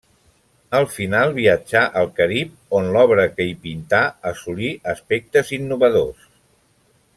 Al final viatjà al Carib, on l'obra que hi pintà assolí aspectes innovadors.